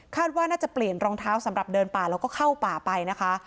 ว่าน่าจะเปลี่ยนรองเท้าสำหรับเดินป่าแล้วก็เข้าป่าไปนะคะ